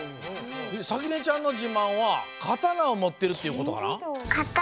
さきねちゃんのじまんは刀を持ってるっていうことかな？